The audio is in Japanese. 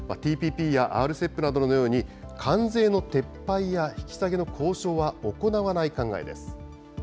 ＴＰＰやＲＣＥＰなどのように、関税の撤廃や引き下げの交渉は行わない考えです。